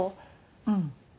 うん。